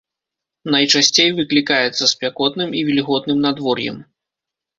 Найчасцей выклікаецца спякотным і вільготным надвор'ем.